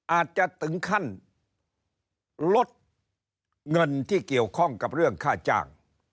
อาจจะถึงขั้นลดเงินที่เกี่ยวข้องกับเรื่องค่าจ้าง